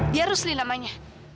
dia rusli namanya